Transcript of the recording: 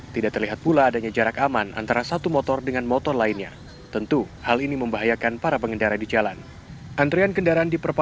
tidak terlihat pula adanya jarak aman antara satu motor diantrean